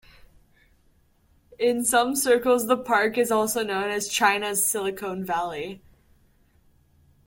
In some circles the park is also known as China's Silicon Valley.